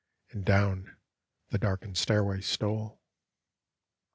And down the darkened stairway stole.